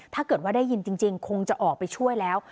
ถ้าเกิดว่าได้ยินจริงคงจะออกไปช่วยแล้ว